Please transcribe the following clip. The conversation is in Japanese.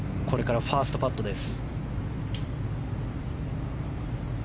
渋野のこれからファーストパットです。